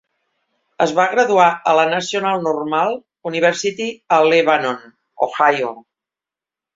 Es va graduar a la National Normal University a Lebanon, Ohio.